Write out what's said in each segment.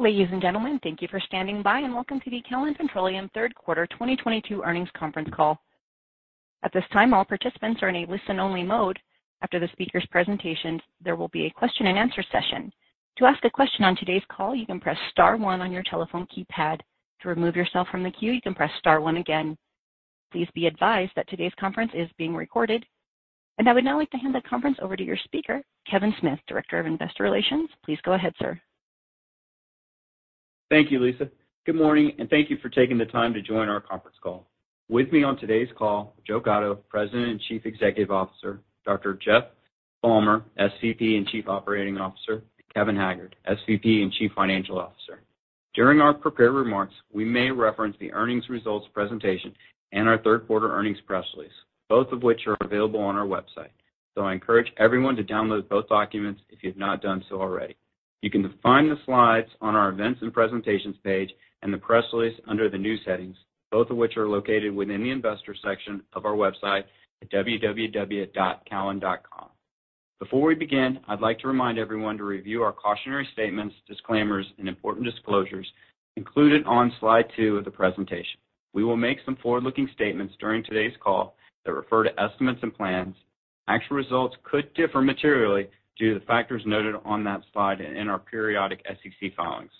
Ladies and gentlemen, thank you for standing by, and welcome to the Callon Petroleum third quarter 2022 earnings conference call. At this time, all participants are in a listen-only mode. After the speaker's presentation, there will be a question-and-answer session. To ask a question on today's call, you can press star one on your telephone keypad. To remove yourself from the queue, you can press star one again. Please be advised that today's conference is being recorded. I would now like to hand the conference over to your speaker, Kevin Smith, Director of Investor Relations. Please go ahead, sir. Thank you, Lisa. Good morning, and thank you for taking the time to join our conference call. With me on today's call, Joe Gatto, President and Chief Executive Officer, Dr. Jeffrey Balmer, SVP and Chief Operating Officer, Kevin Haggard, SVP and Chief Financial Officer. During our prepared remarks, we may reference the earnings results presentation and our third quarter earnings press release, both of which are available on our website. I encourage everyone to download both documents if you have not done so already. You can find the slides on our Events and Presentations page and the press release under the News headings, both of which are located within the Investor section of our website at www.callon.com. Before we begin, I'd like to remind everyone to review our cautionary statements, disclaimers, and important disclosures included on Slide 2 of the presentation. We will make some forward-looking statements during today's call that refer to estimates and plans. Actual results could differ materially due to the factors noted on that slide and in our periodic SEC filings.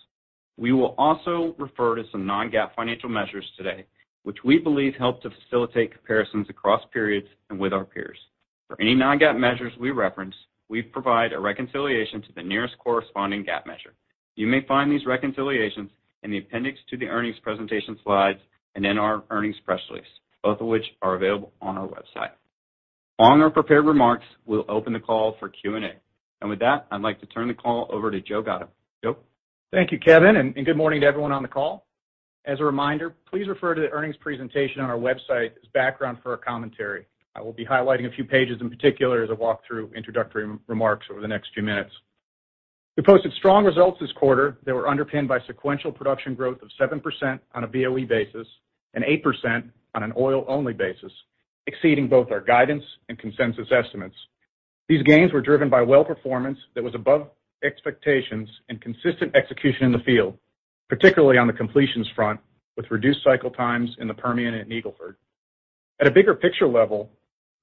We will also refer to some non-GAAP financial measures today, which we believe help to facilitate comparisons across periods and with our peers. For any non-GAAP measures we reference, we provide a reconciliation to the nearest corresponding GAAP measure. You may find these reconciliations in the appendix to the earnings presentation slides and in our earnings press release, both of which are available on our website. On our prepared remarks, we'll open the call for Q&A. With that, I'd like to turn the call over to Joe Gatto. Joe? Thank you, Kevin, and good morning to everyone on the call. As a reminder, please refer to the earnings presentation on our website as background for our commentary. I will be highlighting a few pages in particular as I walk through introductory remarks over the next few minutes. We posted strong results this quarter that were underpinned by sequential production growth of 7% on a BOE basis and 8% on an oil-only basis, exceeding both our guidance and consensus estimates. These gains were driven by well performance that was above expectations and consistent execution in the field, particularly on the completions front, with reduced cycle times in the Permian and Eagle Ford. At a bigger picture level,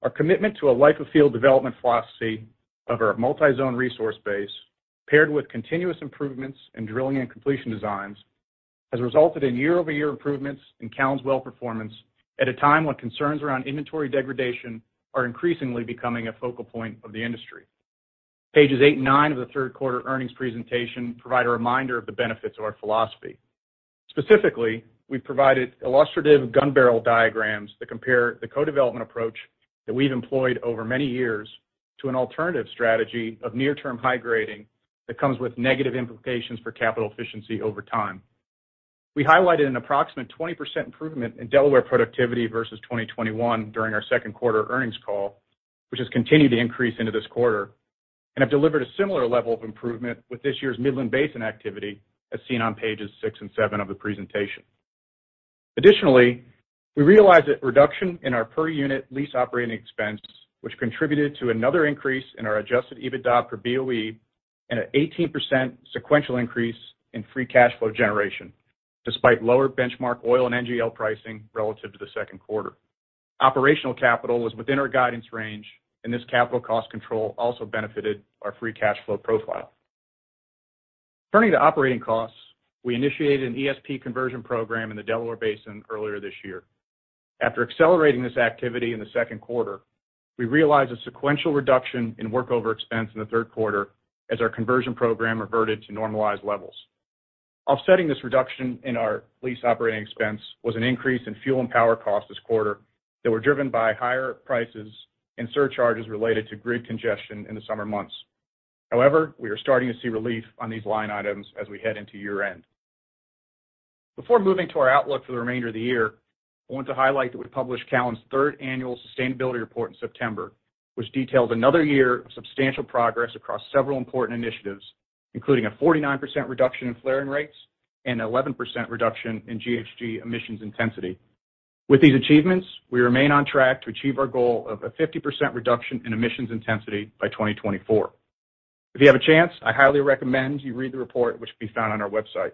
our commitment to a life of field development philosophy of our multi-zone resource base, paired with continuous improvements in drilling and completion designs, has resulted in year-over-year improvements in Callon's well performance at a time when concerns around inventory degradation are increasingly becoming a focal point of the industry. Pages 8 and 9 of the third quarter earnings presentation provide a reminder of the benefits of our philosophy. Specifically, we've provided illustrative gun barrel diagrams that compare the co-development approach that we've employed over many years to an alternative strategy of near-term high grading that comes with negative implications for capital efficiency over time. We highlighted an approximate 20% improvement in Delaware productivity versus 2021 during our second quarter earnings call, which has continued to increase into this quarter and have delivered a similar level of improvement with this year's Midland Basin activity, as seen on pages 6 and 7 of the presentation. Additionally, we realized that reduction in our per unit lease operating expense, which contributed to another increase in our Adjusted EBITDA for BOE and an 18% sequential increase in free cash flow generation despite lower benchmark oil and NGL pricing relative to the second quarter. Operational capital was within our guidance range, and this capital cost control also benefited our free cash flow profile. Turning to operating costs, we initiated an ESP conversion program in the Delaware Basin earlier this year. After accelerating this activity in the second quarter, we realized a sequential reduction in workover expense in the third quarter as our conversion program reverted to normalized levels. Offsetting this reduction in our lease operating expense was an increase in fuel and power costs this quarter that were driven by higher prices and surcharges related to grid congestion in the summer months. However, we are starting to see relief on these line items as we head into year-end. Before moving to our outlook for the remainder of the year, I want to highlight that we published Callon's third annual sustainability report in September, which detailed another year of substantial progress across several important initiatives, including a 49% reduction in flaring rates and 11% reduction in GHG emissions intensity. With these achievements, we remain on track to achieve our goal of a 50% reduction in emissions intensity by 2024. If you have a chance, I highly recommend you read the report which can be found on our website.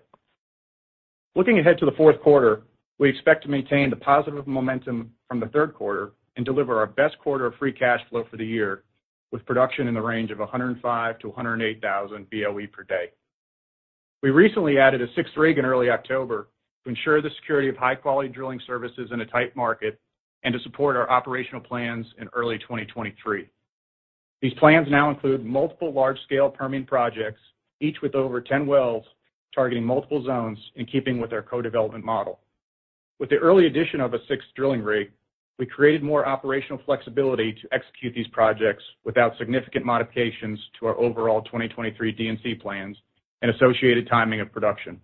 Looking ahead to the fourth quarter, we expect to maintain the positive momentum from the third quarter and deliver our best quarter of free cash flow for the year, with production in the range of 105,000-108,000 BOE per day. We recently added a sixth rig in early October to ensure the security of high-quality drilling services in a tight market and to support our operational plans in early 2023. These plans now include multiple large-scale Permian projects, each with over 10 wells targeting multiple zones in keeping with our co-development model. With the early addition of a sixth drilling rig, we created more operational flexibility to execute these projects without significant modifications to our overall 2023 D&C plans and associated timing of production.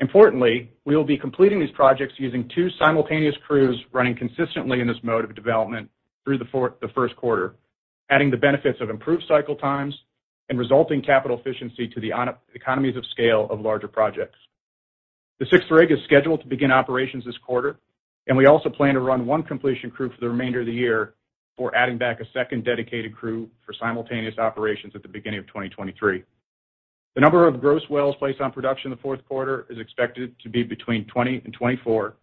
Importantly, we will be completing these projects using two simultaneous crews running consistently in this mode of development through the first quarter, adding the benefits of improved cycle times and resulting capital efficiency to the economies of scale of larger projects. The sixth rig is scheduled to begin operations this quarter, and we also plan to run one completion crew for the remainder of the year before adding back a second dedicated crew for simultaneous operations at the beginning of 2023. The number of gross wells placed on production in the fourth quarter is expected to be between 20 and 24,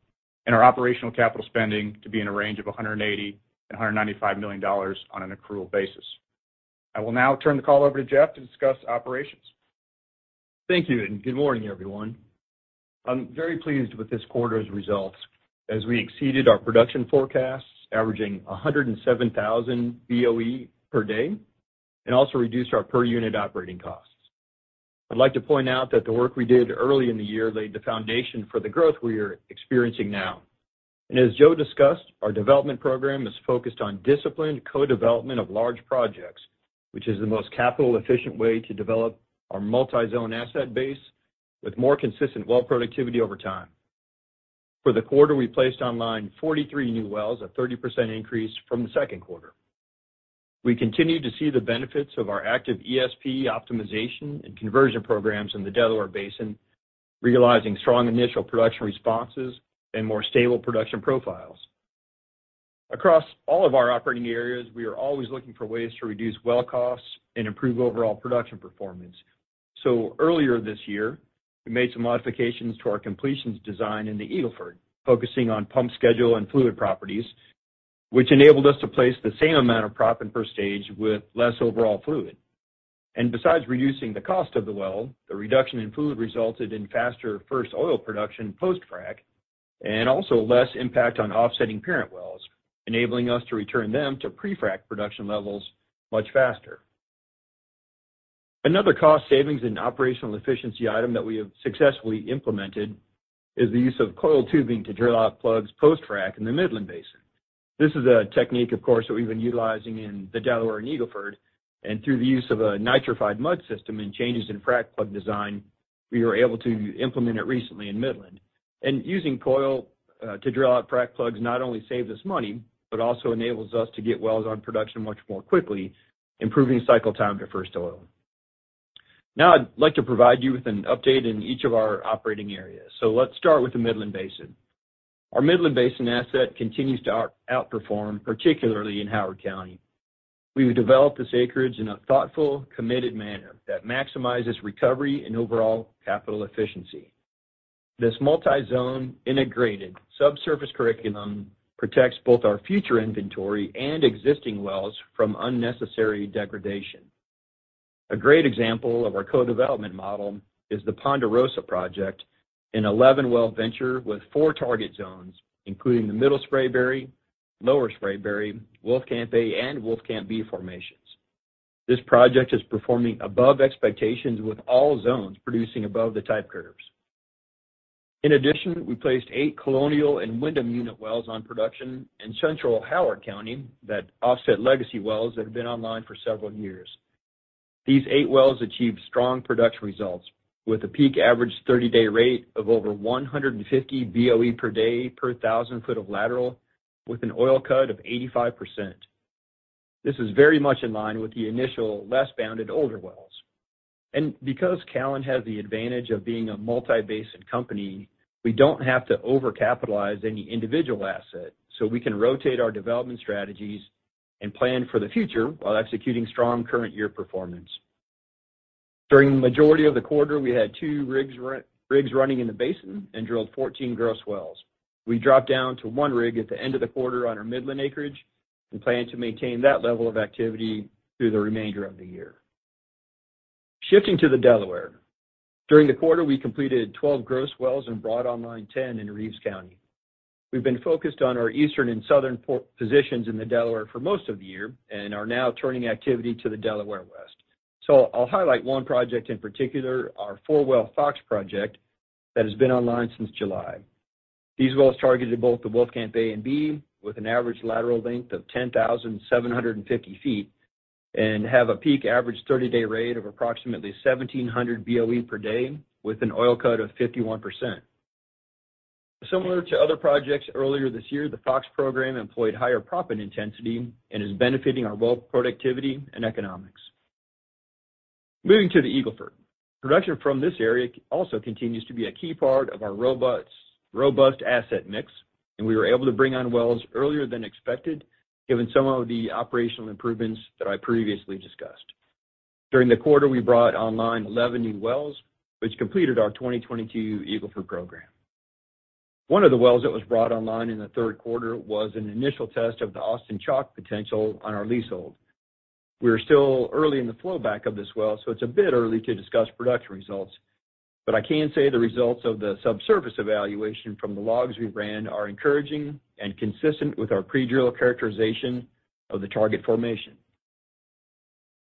and our operational capital spending to be in a range of $180 million-$195 million on an accrual basis. I will now turn the call over to Jeff to discuss operations. Thank you, and good morning, everyone. I'm very pleased with this quarter's results as we exceeded our production forecasts, averaging 107,000 BOE per day and also reduced our per unit operating costs. I'd like to point out that the work we did early in the year laid the foundation for the growth we are experiencing now. As Joe discussed, our development program is focused on disciplined co-development of large projects, which is the most capital efficient way to develop our multi-zone asset base with more consistent well productivity over time. For the quarter, we placed online 43 new wells, a 30% increase from the second quarter. We continue to see the benefits of our active ESP optimization and conversion programs in the Delaware Basin, realizing strong initial production responses and more stable production profiles. Across all of our operating areas, we are always looking for ways to reduce well costs and improve overall production performance. Earlier this year, we made some modifications to our completions design in the Eagle Ford, focusing on pump schedule and fluid properties, which enabled us to place the same amount of proppant per stage with less overall fluid. Besides reducing the cost of the well, the reduction in fluid resulted in faster first oil production post-frac, and also less impact on offsetting parent wells, enabling us to return them to pre-frac production levels much faster. Another cost savings and operational efficiency item that we have successfully implemented is the use of coiled tubing to drill out plugs post-frac in the Midland Basin. This is a technique, of course, that we've been utilizing in the Delaware and Eagle Ford, and through the use of a nitrified mud system and changes in frac plug design, we were able to implement it recently in Midland. Using coil to drill out frac plugs not only saves us money, but also enables us to get wells on production much more quickly, improving cycle time to first oil. I'd like to provide you with an update in each of our operating areas. Let's start with the Midland Basin. Our Midland Basin asset continues to outperform, particularly in Howard County. We've developed this acreage in a thoughtful, committed manner that maximizes recovery and overall capital efficiency. This multi-zone integrated subsurface correlation protects both our future inventory and existing wells from unnecessary degradation. A great example of our co-development model is the Ponderosa project, a 11-well venture with 4 target zones, including the Middle Spraberry, Lower Spraberry, Wolfcamp A, and Wolfcamp B formations. This project is performing above expectations with all zones producing above the type curves. In addition, we placed 8 Colonial and Windham unit wells on production in central Howard County that offset legacy wells that have been online for several years. These 8 wells achieved strong production results with a peak average 30-day rate of over 150 BOE per day, per 1,000 foot of lateral with an oil cut of 85%. This is very much in line with the initial less bounded older wells. Because Callon has the advantage of being a multi-basin company, we don't have to overcapitalize any individual asset, so we can rotate our development strategies and plan for the future while executing strong current year performance. During the majority of the quarter, we had two rigs running in the basin and drilled 14 gross wells. We dropped down to one rig at the end of the quarter on our Midland acreage and plan to maintain that level of activity through the remainder of the year. Shifting to the Delaware. During the quarter, we completed 12 gross wells [and brought online 10] in Reeves County. We've been focused on our eastern and southern part positions in the Delaware for most of the year and are now turning activity to the Delaware West. I'll highlight one project in particular, our 4-well Fox project that has been online since July. These wells targeted both the Wolfcamp A and B with an average lateral length of 10,750 feet and have a peak average 30-day rate of approximately 1,700 BOE per day with an oil cut of 51%. Similar to other projects earlier this year, the Fox program employed higher proppant intensity and is benefiting our well productivity and economics. Moving to the Eagle Ford. Production from this area also continues to be a key part of our robust asset mix, and we were able to bring on wells earlier than expected, given some of the operational improvements that I previously discussed. During the quarter, we brought online 11 new wells, which completed our 2022 Eagle Ford program. One of the wells that was brought online in the third quarter was an initial test of the Austin Chalk potential on our leasehold. We are still early in the flowback of this well, so it's a bit early to discuss production results. I can say the results of the subsurface evaluation from the logs we ran are encouraging and consistent with our pre-drill characterization of the target formation.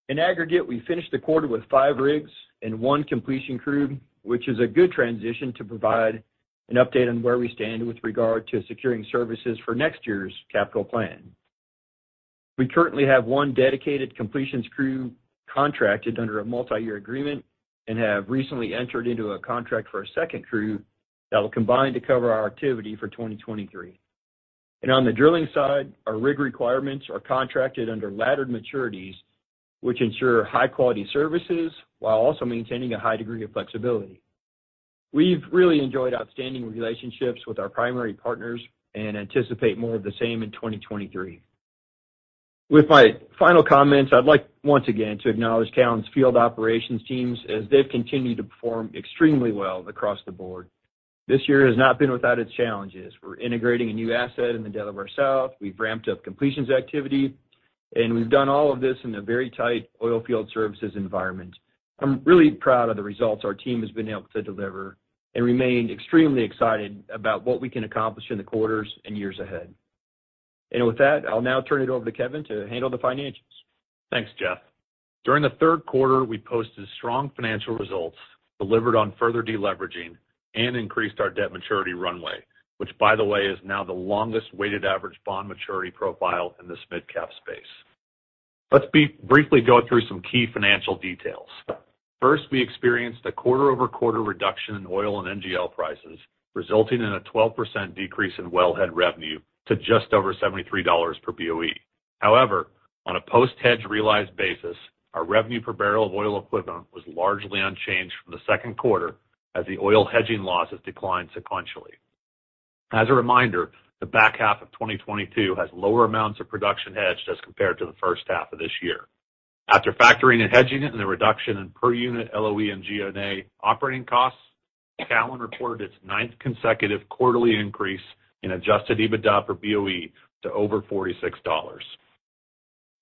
In aggregate, we finished the quarter with five rigs and one completion crew, which is a good transition to provide an update on where we stand with regard to securing services for next year's capital plan. We currently have one dedicated completions crew contracted under a multi-year agreement and have recently entered into a contract for a second crew that will combine to cover our activity for 2023. On the drilling side, our rig requirements are contracted under laddered maturities, which ensure high quality services while also maintaining a high degree of flexibility. We've really enjoyed outstanding relationships with our primary partners and anticipate more of the same in 2023. With my final comments, I'd like once again to acknowledge Callon's field operations teams as they've continued to perform extremely well across the board. This year has not been without its challenges. We're integrating a new asset in the Delaware South. We've ramped up completions activity, and we've done all of this in a very tight oil field services environment. I'm really proud of the results our team has been able to deliver and remain extremely excited about what we can accomplish in the quarters and years ahead. With that, I'll now turn it over to Kevin to handle the financials. Thanks, Jeff. During the third quarter, we posted strong financial results, delivered on further deleveraging, and increased our debt maturity runway, which by the way, is now the longest weighted average bond maturity profile in this mid-cap space. Let's go through some key financial details. First, we experienced a quarter-over-quarter reduction in oil and NGL prices, resulting in a 12% decrease in wellhead revenue to just over $73 per BOE. However, on a post-hedge realized basis, our revenue per barrel of oil equivalent was largely unchanged from the second quarter as the oil hedging losses declined sequentially. As a reminder, the back half of 2022 has lower amounts of production hedged as compared to the first half of this year. After factoring and hedging it and the reduction in per unit LOE and G&A operating costs, Callon reported its ninth consecutive quarterly increase in Adjusted EBITDA per BOE to over $46.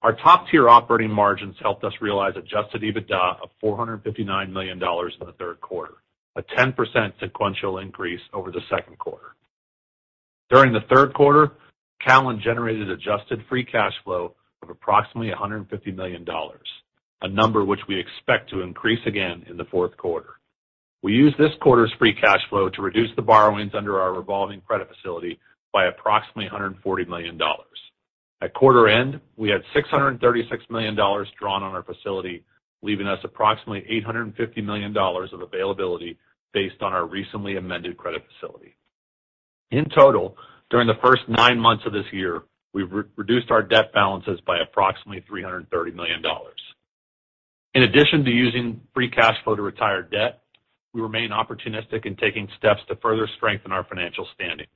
Our top-tier operating margins helped us realize Adjusted EBITDA of $459 million in the third quarter, a 10% sequential increase over the second quarter. During the third quarter, Callon generated adjusted free cash flow of approximately $150 million, a number which we expect to increase again in the fourth quarter. We used this quarter's free cash flow to reduce the borrowings under our revolving credit facility by approximately $140 million. At quarter end, we had $636 million drawn on our facility, leaving us approximately $850 million of availability based on our recently amended credit facility. In total, during the first nine months of this year, we've reduced our debt balances by approximately $330 million. In addition to using free cash flow to retire debt, we remain opportunistic in taking steps to further strengthen our financial standing.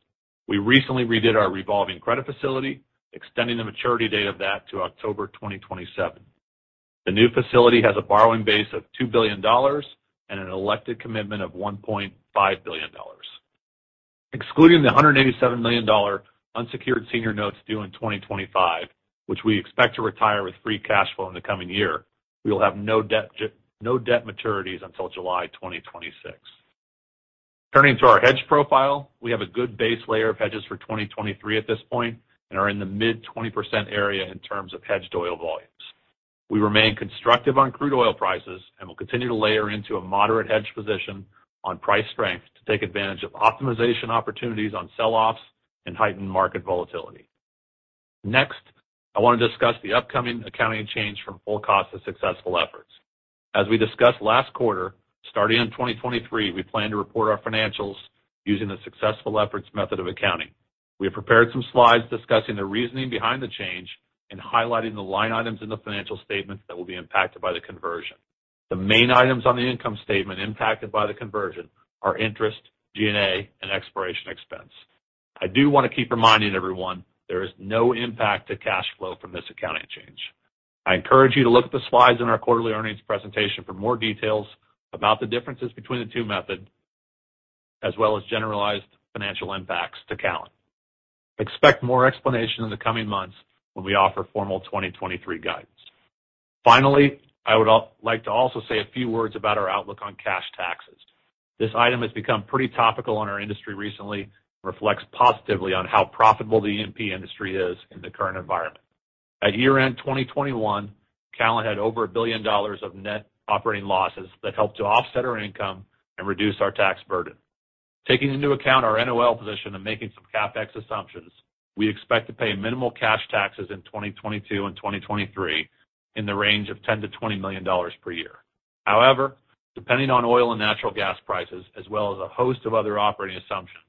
We recently redid our revolving credit facility, extending the maturity date of that to October 2027. The new facility has a borrowing base of $2 billion and an elected commitment of $1.5 billion. Excluding the $187 million unsecured senior notes due in 2025, which we expect to retire with free cash flow in the coming year, we will have no debt maturities until July 2026. Turning to our hedge profile, we have a good base layer of hedges for 2023 at this point and are in the mid-20% area in terms of hedged oil volumes. We remain constructive on crude oil prices and will continue to layer into a moderate hedge position on price strength to take advantage of optimization opportunities on sell-offs and heightened market volatility. Next, I wanna discuss the upcoming accounting change from full cost to successful efforts. As we discussed last quarter, starting in 2023, we plan to report our financials using the successful efforts method of accounting. We have prepared some slides discussing the reasoning behind the change and highlighting the line items in the financial statements that will be impacted by the conversion. The main items on the income statement impacted by the conversion are interest, G&A, and exploration expense. I do wanna keep reminding everyone there is no impact to cash flow from this accounting change. I encourage you to look at the slides in our quarterly earnings presentation for more details about the differences between the two method, as well as generalized financial impacts to Callon. Expect more explanation in the coming months when we offer formal 2023 guidance. Finally, I would like to also say a few words about our outlook on cash taxes. This item has become pretty topical in our industry recently and reflects positively on how profitable the E&P industry is in the current environment. At year-end 2021, Callon had over $1 billion of net operating losses that helped to offset our income and reduce our tax burden. Taking into account our NOL position and making some CapEx assumptions, we expect to pay minimal cash taxes in 2022 and 2023 in the range of $10 million-$20 million per year. However, depending on oil and natural gas prices, as well as a host of other operating assumptions,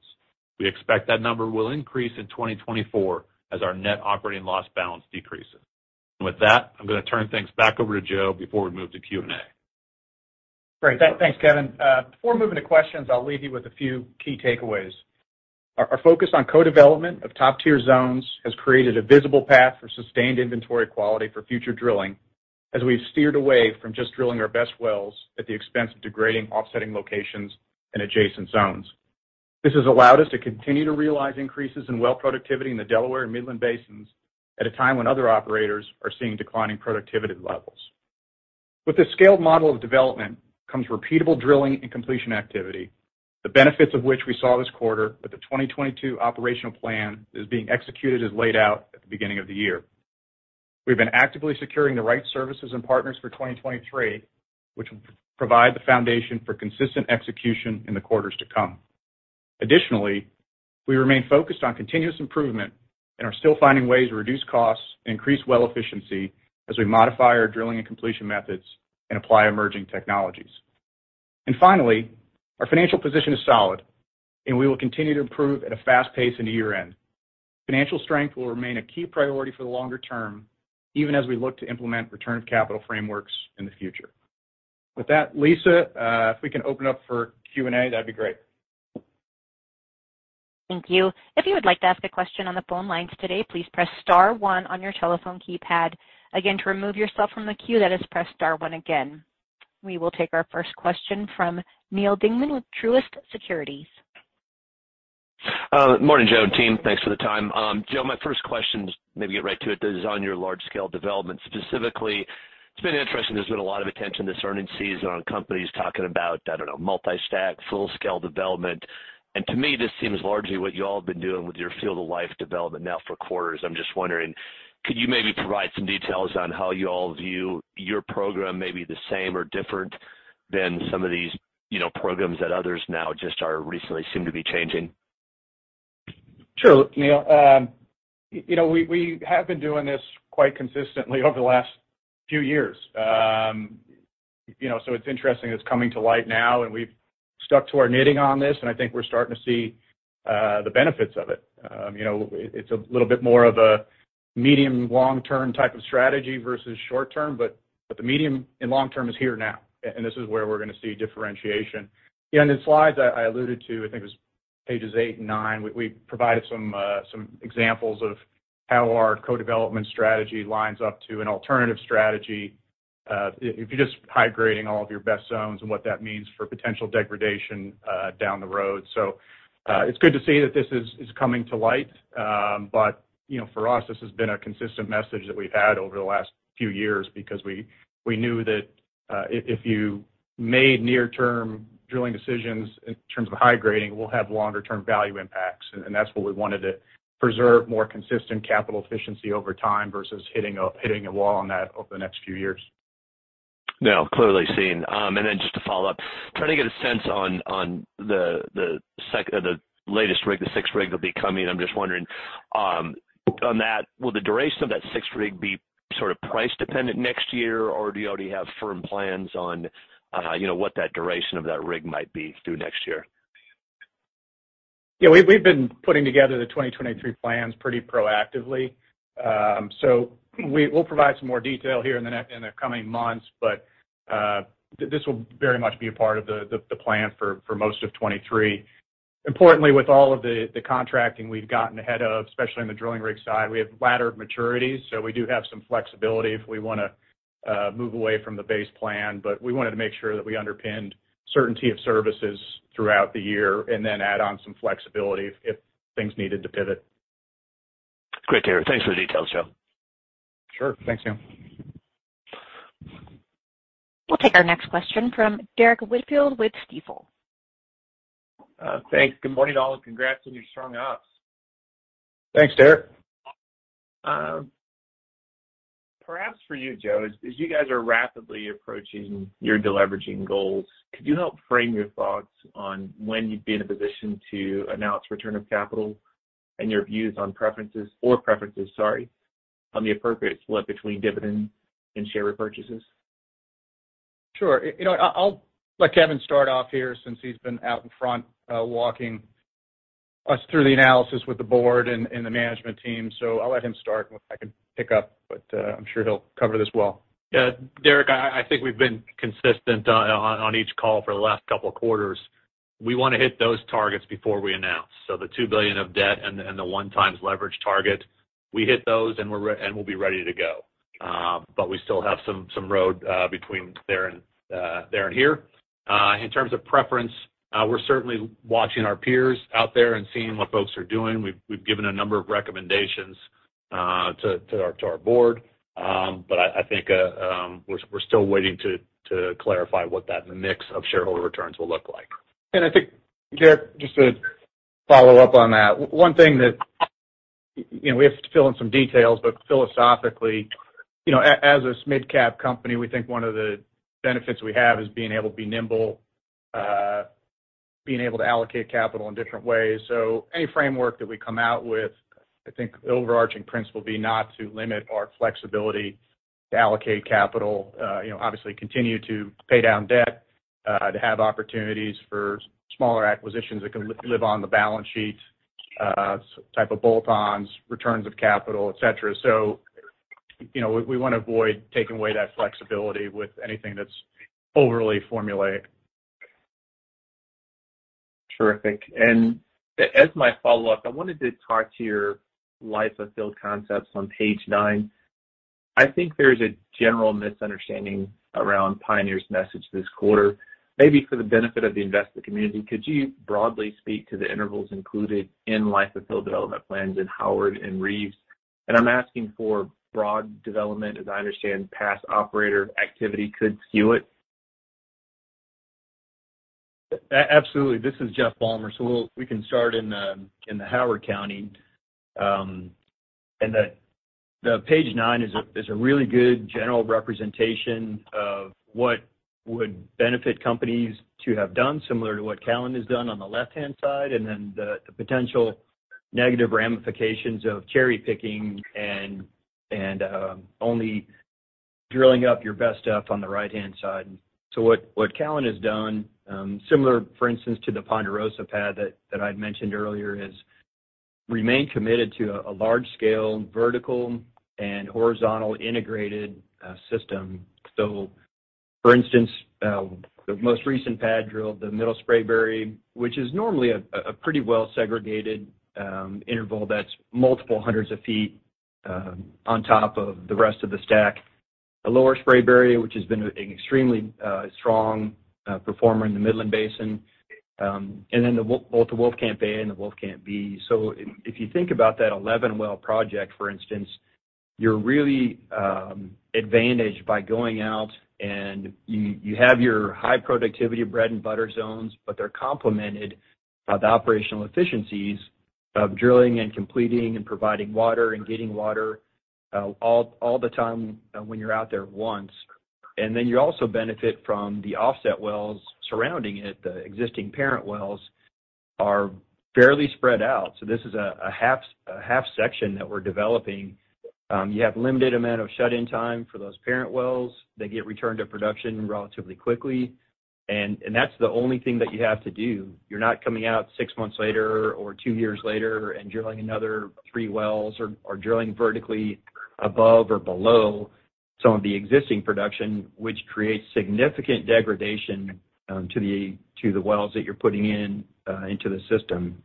we expect that number will increase in 2024 as our net operating loss balance decreases. With that, I'm gonna turn things back over to Joe before we move to Q&A. Great. Thanks, Kevin. Before moving to questions, I'll leave you with a few key takeaways. Our focus on co-development of top-tier zones has created a visible path for sustained inventory quality for future drilling as we've steered away from just drilling our best wells at the expense of degrading offsetting locations in adjacent zones. This has allowed us to continue to realize increases in well productivity in the Delaware and Midland basins at a time when other operators are seeing declining productivity levels. With the scaled model of development comes repeatable drilling and completion activity, the benefits of which we saw this quarter, with the 2022 operational plan being executed as laid out at the beginning of the year. We've been actively securing the right services and partners for 2023, which will provide the foundation for consistent execution in the quarters to come. Additionally, we remain focused on continuous improvement and are still finding ways to reduce costs and increase well efficiency as we modify our drilling and completion methods and apply emerging technologies. Finally, our financial position is solid, and we will continue to improve at a fast pace into year-end. Financial strength will remain a key priority for the longer term, even as we look to implement return of capital frameworks in the future. With that, Lisa, if we can open up for Q&A, that'd be great. Thank you. If you would like to ask a question on the phone lines today, please press star one on your telephone keypad. Again, to remove yourself from the queue, that is, press star one again. We will take our first question from Neal Dingmann with Truist Securities. Morning, Joe and team. Thanks for the time. Joe, my first question, just maybe get right to it, is on your large-scale development. Specifically, it's been interesting, there's been a lot of attention this earnings season on companies talking about, I don't know, multi-stack, full-scale development. To me, this seems largely what y'all have been doing with your life of field development now for quarters. I'm just wondering, could you maybe provide some details on how you all view your program may be the same or different than some of these, you know, programs that others now just are recently seem to be changing? Sure, Neal. You know, we have been doing this quite consistently over the last few years. You know, it's interesting it's coming to light now, and we've stuck to our knitting on this, and I think we're starting to see the benefits of it. You know, it's a little bit more of a medium, long-term type of strategy versus short term, but the medium and long term is here now. This is where we're gonna see differentiation. Yeah, in the slides I alluded to, I think it was pages 8 and 9. We provided some examples of how our co-development strategy lines up to an alternative strategy, if you're just high grading all of your best zones and what that means for potential degradation, down the road. It's good to see that this is coming to light. But you know, for us, this has been a consistent message that we've had over the last few years because we knew that if you made near-term drilling decisions in terms of high grading, we'll have longer term value impacts. That's what we wanted to preserve more consistent capital efficiency over time versus hitting a wall on that over the next few years. No, clearly seen. Then just to follow up, trying to get a sense on the latest rig, the sixth rig that'll be coming. I'm just wondering, on that, will the duration of that sixth rig be sort of price dependent next year, or do you already have firm plans on, you know, what that duration of that rig might be through next year? Yeah, we've been putting together the 2023 plans pretty proactively. We'll provide some more detail here in the coming months, but this will very much be a part of the plan for most of 2023. Importantly, with all of the contracting we've gotten ahead of, especially on the drilling rig side, we have laddered maturities, so we do have some flexibility if we wanna move away from the base plan. We wanted to make sure that we underpinned certainty of services throughout the year and then add on some flexibility if things needed to pivot. Great to hear. Thanks for the details, Joe. Sure. Thanks, Neal. We'll take our next question from Derrick Whitfield with Stifel. Thanks. Good morning, all, and congrats on your strong ops. Thanks, Derrick. Perhaps for you, Joe, as you guys are rapidly approaching your deleveraging goals, could you help frame your thoughts on when you'd be in a position to announce return of capital and your views on preferences on the appropriate split between dividend and share repurchases? Sure. You know what? I'll let Kevin start off here since he's been out in front, walking us through the analysis with the board and the management team. I'll let him start, and I can pick up, but I'm sure he'll cover this well. Yeah, Derrick, I think we've been consistent on each call for the last couple of quarters. We wanna hit those targets before we announce. The $2 billion of debt and the 1x leverage target, we hit those and we'll be ready to go. We still have some runway between there and here. In terms of preference, we're certainly watching our peers out there and seeing what folks are doing. We've given a number of recommendations to our board. I think we're still waiting to clarify what that mix of shareholder returns will look like. I think, Derrick, just to follow up on that, one thing that, you know, we have to fill in some details, but philosophically, you know, as a mid-cap company, we think one of the benefits we have is being able to be nimble, being able to allocate capital in different ways. Any framework that we come out with, I think the overarching principle will be not to limit our flexibility to allocate capital, you know, obviously continue to pay down debt, to have opportunities for smaller acquisitions that can live on the balance sheet, type of bolt-ons, returns of capital, et cetera. You know, we wanna avoid taking away that flexibility with anything that's overly formulaic. Terrific. As my follow-up, I wanted to talk to your life of field concepts on page 9. I think there's a general misunderstanding around Pioneer's message this quarter. Maybe for the benefit of the investor community, could you broadly speak to the intervals included in life of field development plans in Howard and Reeves? I'm asking for broad development. As I understand, past operator activity could skew it. Absolutely. This is Jeff Balmer. We can start in the Howard County. The page 9 is a really good general representation of what would benefit companies to have done similar to what Callon has done on the left-hand side, and then the potential. Negative ramifications of cherry-picking and only drilling up your best stuff on the right-hand side. What Callon has done, similar, for instance, to the Ponderosa pad that I'd mentioned earlier, is remain committed to a large scale, vertical and horizontal integrated system. For instance, the most recent pad drill, the Middle Spraberry, which is normally a pretty well segregated interval that's multiple hundreds of feet on top of the rest of the stack. The Lower Spraberry, which has been an extremely strong performer in the Midland Basin, and then the Wolfcamp A and the Wolfcamp B. If you think about that 11-well project, for instance, you're really advantaged by going out and you have your high productivity bread-and-butter zones, but they're complemented by the operational efficiencies of drilling and completing and providing water and getting water, all the time when you're out there once. Then you also benefit from the offset wells surrounding it. The existing parent wells are fairly spread out, so this is a half section that we're developing. You have limited amount of shut-in time for those parent wells. They get returned to production relatively quickly, and that's the only thing that you have to do. You're not coming out 6 months later or 2 years later and drilling another 3 wells or drilling vertically above or below some of the existing production, which creates significant degradation to the wells that you're putting in into the system.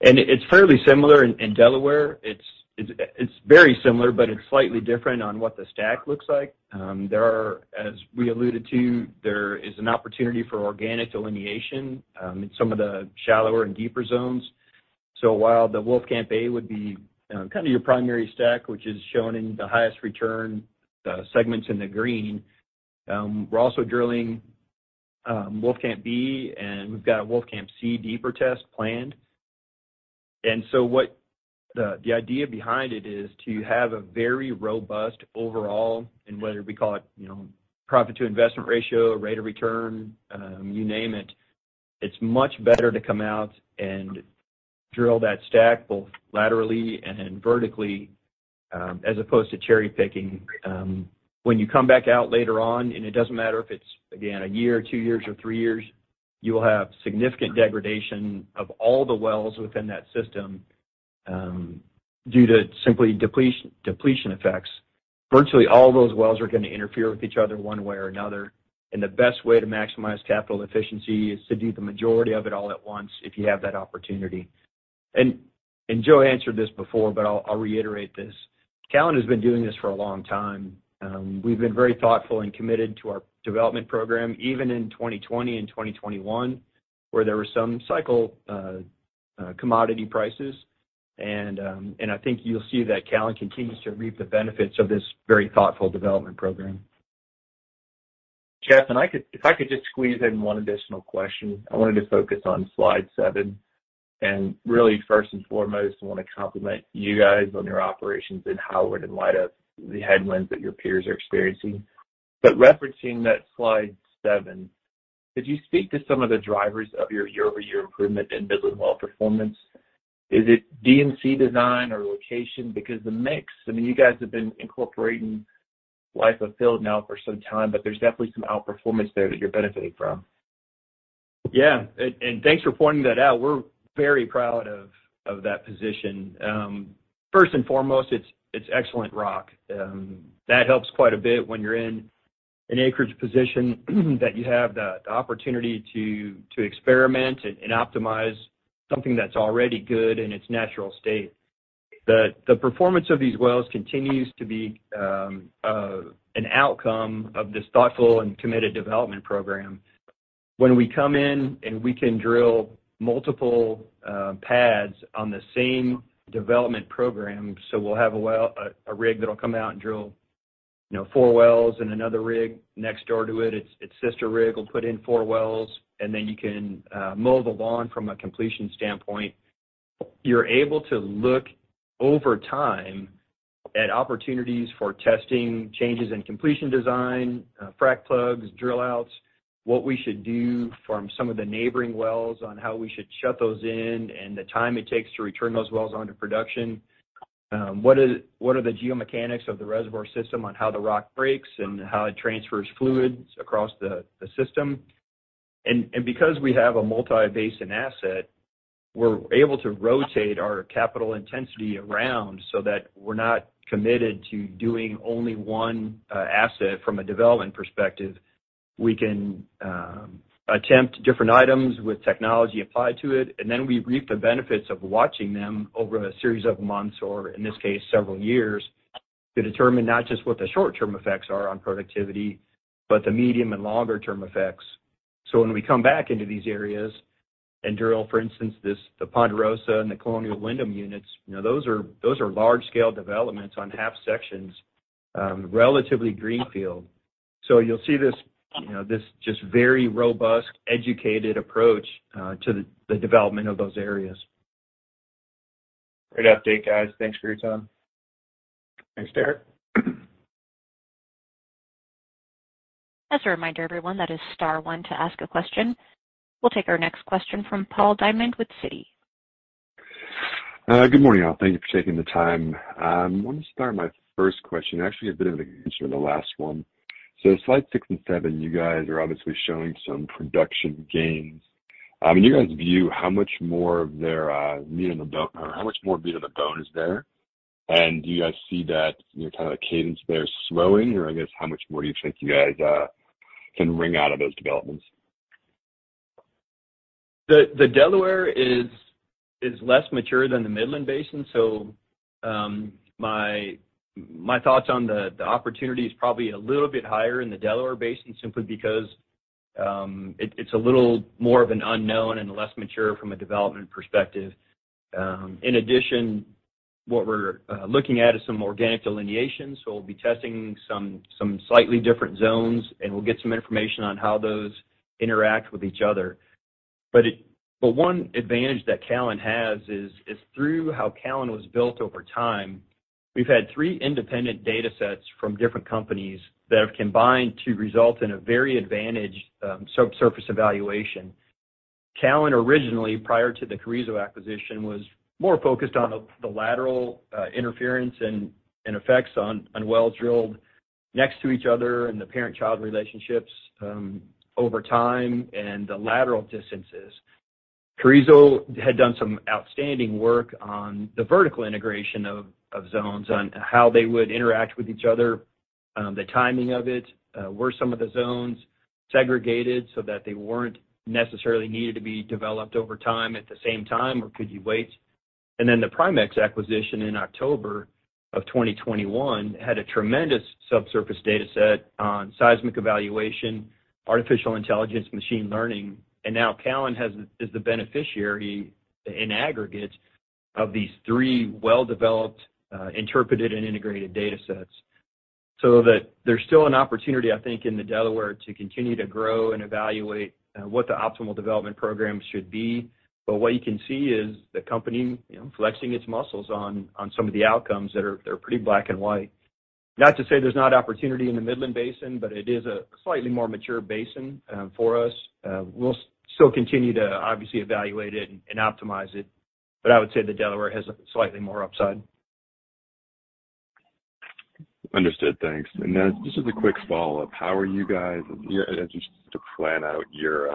It's fairly similar in Delaware. It's very similar, but it's slightly different on what the stack looks like. As we alluded to, there is an opportunity for organic delineation in some of the shallower and deeper zones. While the Wolfcamp A would be kind of your primary stack, which is shown in the highest return segments in the green, we're also drilling Wolfcamp B, and we've got a Wolfcamp C deeper test planned. What the idea behind it is to have a very robust overall, and whether we call it, you know, profit-to-investment ratio, rate of return, you name it's much better to come out and drill that stack both laterally and vertically, as opposed to cherry-picking. When you come back out later on, and it doesn't matter if it's, again, a year or two years or three years, you will have significant degradation of all the wells within that system, due to simply depletion effects. Virtually all those wells are gonna interfere with each other one way or another, and the best way to maximize capital efficiency is to do the majority of it all at once if you have that opportunity. Joe answered this before, but I'll reiterate this. Callon has been doing this for a long time. We've been very thoughtful and committed to our development program, even in 2020 and 2021, where there were some cyclical commodity prices. I think you'll see that Callon continues to reap the benefits of this very thoughtful development program. Jeff, if I could just squeeze in one additional question. I wanted to focus on Slide 7. Really first and foremost, I wanna compliment you guys on your operations in Howard in light of the headwinds that your peers are experiencing. Referencing that Slide 7, could you speak to some of the drivers of your year-over-year improvement in Midland well performance? Is it D&C design or location? Because the mix, I mean, you guys have been incorporating life of field now for some time, but there's definitely some outperformance there that you're benefiting from. Yeah. Thanks for pointing that out. We're very proud of that position. First and foremost, it's excellent rock. That helps quite a bit when you're in an acreage position that you have the opportunity to experiment and optimize something that's already good in its natural state. The performance of these wells continues to be an outcome of this thoughtful and committed development program. When we come in and we can drill multiple pads on the same development program, we'll have a rig that'll come out and drill, you know, 4 wells and another rig next door to it. Its sister rig will put in 4 wells, and then you can mow the lawn from a completion standpoint. You're able to look over time at opportunities for testing changes in completion design, frac plugs, drill outs, what we should do from some of the neighboring wells on how we should shut those in, and the time it takes to return those wells onto production. What are the geomechanics of the reservoir system on how the rock breaks and how it transfers fluids across the system. Because we have a multi-basin asset, we're able to rotate our capital intensity around so that we're not committed to doing only one asset from a development perspective. We can attempt different items with technology applied to it, and then we reap the benefits of watching them over a series of months, or in this case, several years, to determine not just what the short-term effects are on productivity, but the medium and longer-term effects. When we come back into these areas and drill, for instance, the Ponderosa and the Colonial Windham units, you know, those are large-scale developments on half sections, relatively greenfield. You'll see this, you know, this just very robust, educated approach to the development of those areas. Great update, guys. Thanks for your time. Thanks, Derrick. As a reminder, everyone, that is star one to ask a question. We'll take our next question from Paul Diamond with Citi. Good morning, all. Thank you for taking the time. I wanna start my first question, actually a bit of an extension of the last one. Slides 6 and 7, you guys are obviously showing some production gains. In you guys view, how much more of their meat on the bone or how much more meat on the bone is there? And do you guys see that, you know, kind of cadence there slowing? Or I guess, how much more do you think you guys can wring out of those developments? The Delaware is less mature than the Midland Basin, so my thoughts on the opportunity is probably a little bit higher in the Delaware Basin simply because it's a little more of an unknown and less mature from a development perspective. In addition, what we're looking at is some organic delineation, so we'll be testing some slightly different zones, and we'll get some information on how those interact with each other. One advantage that Callon has is through how Callon was built over time, we've had three independent datasets from different companies that have combined to result in a very advantaged subsurface evaluation. Callon originally, prior to the Carrizo acquisition, was more focused on the lateral interference and effects on wells drilled next to each other and the parent-child relationships over time and the lateral distances. Carrizo had done some outstanding work on the vertical integration of zones, on how they would interact with each other, the timing of it. Were some of the zones segregated so that they weren't necessarily needed to be developed over time at the same time, or could you wait? Then the Primexx acquisition in October of 2021 had a tremendous subsurface dataset on seismic evaluation, artificial intelligence, machine learning. Now Callon is the beneficiary in aggregate of these three well-developed, interpreted and integrated datasets. That there's still an opportunity, I think, in the Delaware to continue to grow and evaluate, what the optimal development program should be. What you can see is the company, you know, flexing its muscles on some of the outcomes that are pretty black and white. Not to say there's not opportunity in the Midland Basin, but it is a slightly more mature basin, for us. We'll still continue to obviously evaluate it and optimize it, but I would say the Delaware has slightly more upside. Understood. Thanks. Just as a quick follow-up, as you plan out your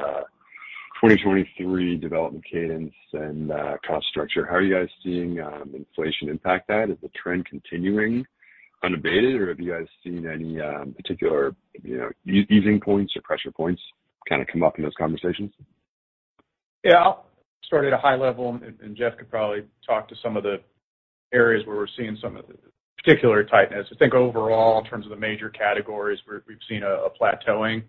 2023 development cadence and cost structure, how are you guys seeing inflation impact that? Is the trend continuing unabated, or have you guys seen any particular, you know, easing points or pressure points kind of come up in those conversations? Yeah. I'll start at a high level, and Jeff could probably talk to some of the areas where we're seeing some of the particular tightness. I think overall, in terms of the major categories, we've seen a plateauing.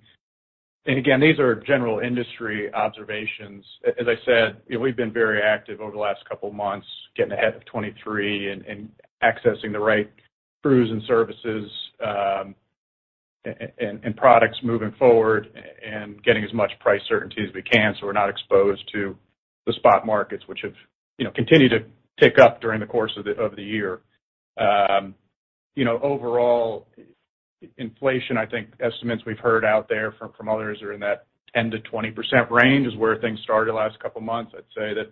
Again, these are general industry observations. As I said, you know, we've been very active over the last couple months, getting ahead of 2023 and accessing the right crews and services, and products moving forward and getting as much price certainty as we can, so we're not exposed to the spot markets which have, you know, continued to tick up during the course of the year. You know, overall inflation, I think estimates we've heard out there from others are in that 10%-20% range is where things started the last couple months. I'd say that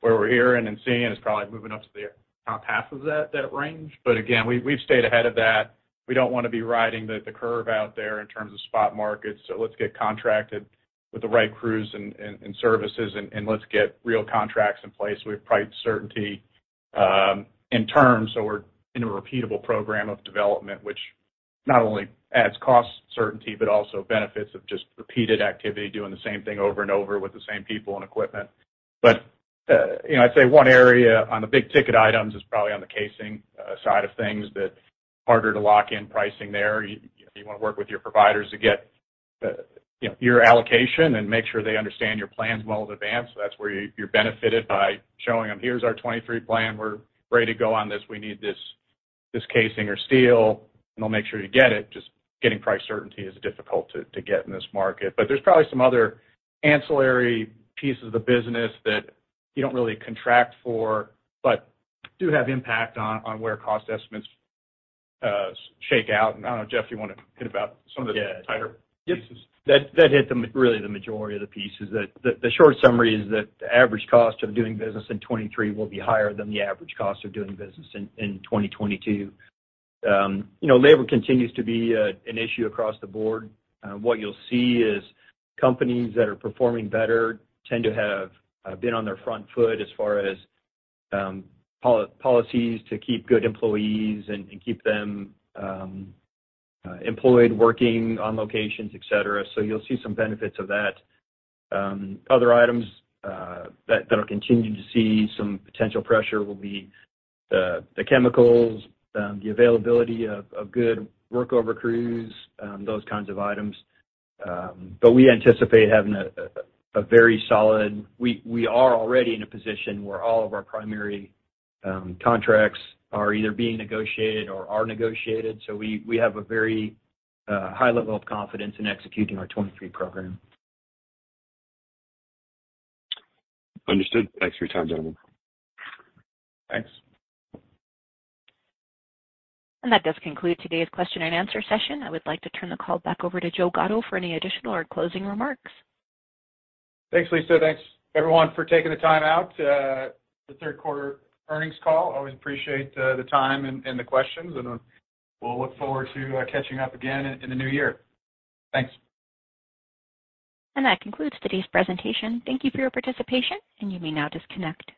what we're hearing and seeing is probably moving up to the top half of that range. Again, we've stayed ahead of that. We don't wanna be riding the curve out there in terms of spot markets. Let's get contracted with the right crews and services and let's get real contracts in place with price certainty in terms so we're in a repeatable program of development, which not only adds cost certainty but also benefits of just repeated activity, doing the same thing over and over with the same people and equipment. You know, I'd say one area on the big ticket items is probably on the casing side of things that's harder to lock in pricing there. You wanna work with your providers to get your allocation and make sure they understand your plans well in advance. That's where you're benefited by showing them, "Here's our 2023 plan. We're ready to go on this. We need this casing or steel," and they'll make sure to get it. Just getting price certainty is difficult to get in this market. There's probably some other ancillary pieces of the business that you don't really contract for but do have impact on where cost estimates shake out. I don't know, Jeff, you wanna hit about some of the tighter pieces? Yeah. That hit really the majority of the pieces. The short summary is that the average cost of doing business in 2023 will be higher than the average cost of doing business in 2022. You know, labor continues to be an issue across the board. What you'll see is companies that are performing better tend to have been on their front foot as far as policies to keep good employees and keep them employed, working on locations, et cetera. You'll see some benefits of that. Other items that'll continue to see some potential pressure will be the chemicals, the availability of good workover crews, those kinds of items. We anticipate having a very solid... We are already in a position where all of our primary contracts are either being negotiated or are negotiated. We have a very high level of confidence in executing our 2023 program. Understood. Thanks for your time, gentlemen. Thanks. That does conclude today's question and answer session. I would like to turn the call back over to Joe Gatto for any additional or closing remarks. Thanks, Lisa. Thanks, everyone, for taking the time out, the third quarter earnings call. Always appreciate, the time and the questions, and we'll look forward to, catching up again in the new year. Thanks. That concludes today's presentation. Thank you for your participation, and you may now disconnect.